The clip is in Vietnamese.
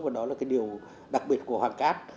và đó là điều đặc biệt của hoàng cát